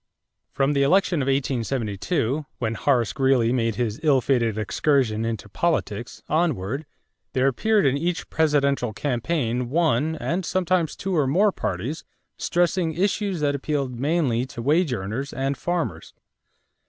= From the election of 1872, when Horace Greeley made his ill fated excursion into politics, onward, there appeared in each presidential campaign one, and sometimes two or more parties, stressing issues that appealed mainly to wage earners and farmers.